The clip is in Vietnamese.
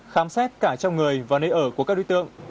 khám xét cả trong người và nơi ở của các đối tượng